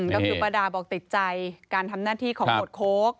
ก็คือป้าดาบอกติดใจการทำหน้าที่ของหมวดโค้ก